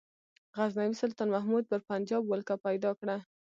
غزنوي سلطان محمود پر پنجاب ولکه پیدا کړه.